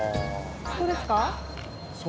ここですか？